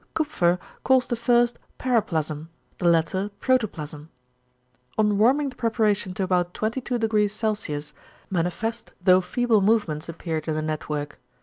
Kupffer calls the first paraplasm, the latter protoplasm. On warming the preparation to about 22° C. manifest though feeble movements appeared in the network.